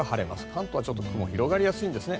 関東はちょっと雲が広がりやすいんですね。